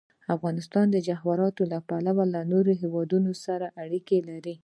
افغانستان د جواهرات له پلوه له نورو هېوادونو سره اړیکې لري.